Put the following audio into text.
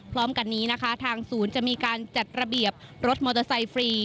พร้อมกันนี้นะคะทางศูนย์จะมีการจัดระเบียบรถมอเตอร์ไซค์ฟรี